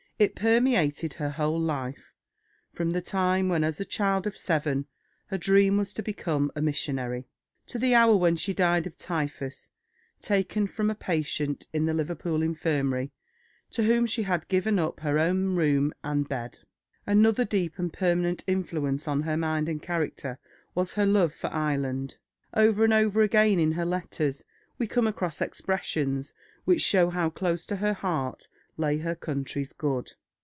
It permeated her whole life, from the time when as a child of seven her dream was to become a missionary, to the hour when she died of typhus taken from a patient in the Liverpool Infirmary to whom she had given up her own room and bed. Another deep and permanent influence on her mind and character was her love for Ireland. Over and over again in her letters we come across expressions which show how close to her heart lay her country's good.